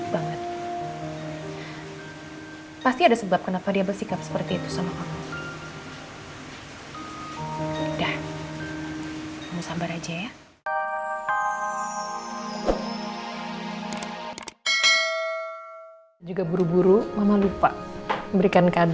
sampai jumpa di video selanjutnya